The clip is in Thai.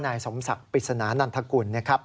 สำคัญมากว่านายสมศักดิ์ปริศนานานทางคุณ